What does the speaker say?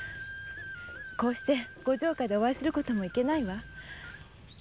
こうしてご城下でお会いすることもいけないわ。